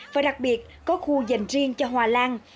và đặc biệt có khu dành riêng cho hòa lan